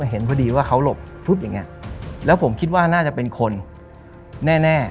เห็นพอดีว่าเขาหลบทุบอย่างนี้แล้วผมคิดว่าน่าจะเป็นคนแน่